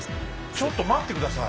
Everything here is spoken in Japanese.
ちょっと待って下さい。